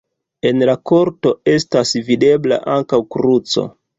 En la korto estas videbla ankaŭ kruco.